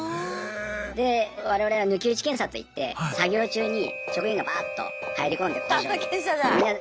で我々は抜き打ち検査といって作業中に職員がバーッと入り込んで工場に。